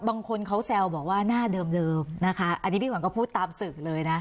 บางคนเขาแซวบอกว่าหน้าเดิมนะคะอันนี้พี่ขวัญก็พูดตามสื่อเลยนะ